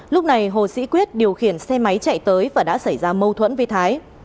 lúc này hồ sĩ quyết điều khiển xe máy chạy tới và đã xảy ra mâu thuẫn với thái